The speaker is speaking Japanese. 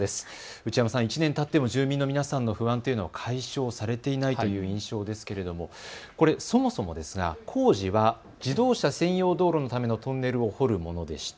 内山さん、１年たっても住民の皆さんの不安は解消されていないという印象ですけれどもそもそもですが、工事は自動車専用道路のためのトンネルを掘るものでした。